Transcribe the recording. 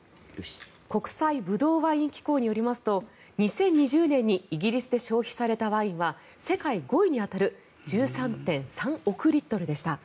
国際ブドウ・ワイン機構によりますと２０２０年にイギリスで消費されたワインは世界５位に当たる１３．３億リットルでした。